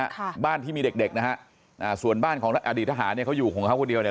ค่ะบ้านที่มีเด็กเด็กนะฮะอ่าส่วนบ้านของอดีตทหารเนี้ยเขาอยู่ของเขาคนเดียวเนี่ย